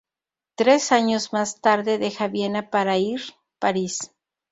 Tres años más tarde deja Viena para ir París.